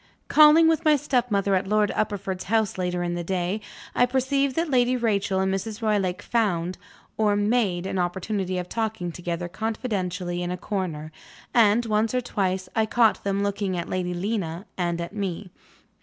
Calling, with my stepmother, at Lord Uppercliff's house later in the day, I perceived that Lady Rachel and Mrs. Roylake found (or made) an opportunity of talking together confidentially in a corner; and, once or twice, I caught them looking at Lady Lena and at me.